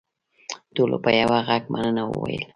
ټولو په یوه غږ مننه وویل.